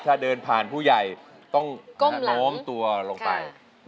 ถ้าเดินผ่านผู้ใหญ่ต้องโน้มตัวลงไป